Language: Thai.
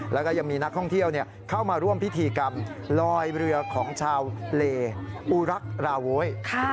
แล้วก็ยังมีนักท่องเที่ยวเข้ามาร่วมพิธีกรรมลอยเรือของชาวเลอุรักษ์ราโวย